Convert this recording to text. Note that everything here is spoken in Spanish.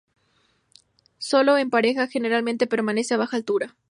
Solo o en pareja, generalmente permanece a baja altura.